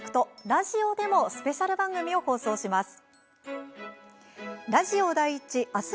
ラジオでもスペシャル番組を放送します。